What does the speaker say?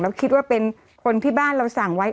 คิดว่าเป็นคนที่บ้านเราสั่งไว้